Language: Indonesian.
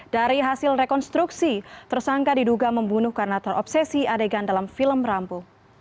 dari hasil rekonstruksi tersangka diduga membunuh karena terobsesi adegan dalam film rambu